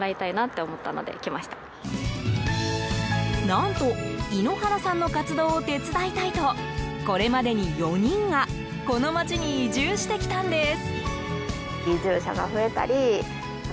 何と猪原さんの活動を手伝いたいとこれまでに４人がこの町に移住してきたんです。